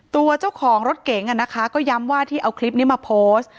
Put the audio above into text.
ตัวเจ้าของรถเก๋งก็ย้ำว่าที่เอาคลิปนี้มาโพสต์